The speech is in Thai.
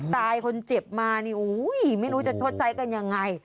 ตายคนเจ็บมานี่โอ้วไม่รู้จะทดใจกันยังไง